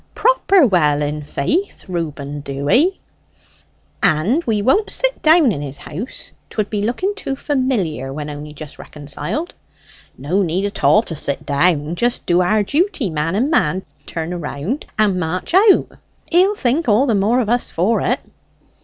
"Proper well, in faith, Reuben Dewy." "And we won't sit down in his house; 'twould be looking too familiar when only just reconciled?" "No need at all to sit down. Just do our duty man and man, turn round, and march out he'll think all the more of us for it."